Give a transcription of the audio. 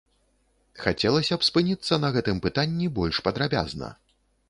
Хацелася б спыніцца на гэтым пытанні больш падрабязна.